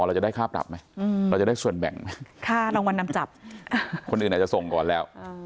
เราจะได้ค่าปรับไหมเราจะได้ส่วนแบ่งไหมค่ารางวัลนำจับคนอื่นอาจจะส่งก่อนแล้ว